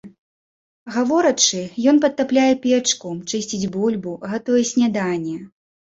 Гаворачы, ён падтапляе печку, чысціць бульбу, гатуе сняданне.